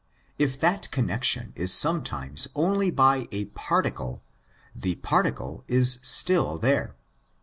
If that connexion is sometimes only by a particle (usually $4, the particle is still there.